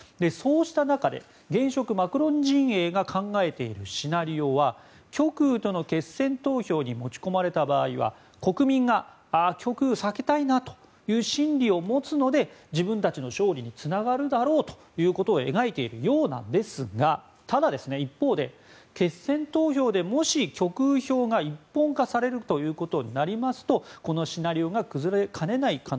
そうした中で現職マクロン陣営が考えているシナリオは極右との決選投票に持ち込まれた場合国民が、極右を避けたいという心理を持つので自分たちの勝利につながるだろうと描いているようなんですがただ、一方で決選投票でもし極右票が一本化されるということになりますとこのシナリオが崩れかねない